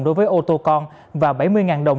đối với ô tô con và bảy mươi đồng